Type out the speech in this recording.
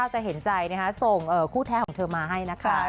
อะไรอย่างนี้